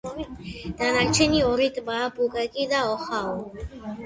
დანარჩენი ორი ტბაა პუკაკი და ოჰაუ.